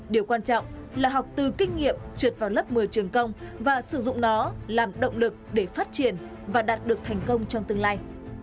điều quan trọng là học từ kinh nghiệm trượt vào lớp một mươi trường công và sử dụng nó làm động lực để phát triển và đạt được thành công trong tương lai